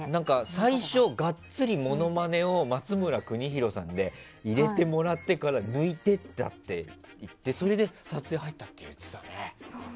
最初は、がっつりモノマネを松村邦洋さんで入れてもらってから抜いていったっていってそれで撮影入ったって言ってたね。